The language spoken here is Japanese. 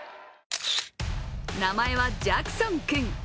名前はジャクソン君。